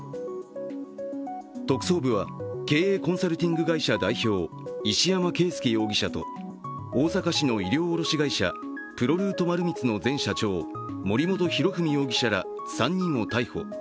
特捜部は経営コンサルティング会社代表石山恵介容疑者と大阪市の衣料卸会社・プロルート丸光の前社長、森本裕文容疑者ら３人を逮捕。